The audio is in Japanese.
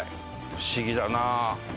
不思議だな。